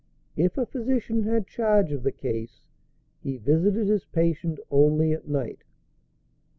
If a physician had charge of the case, he visited his patient only at night.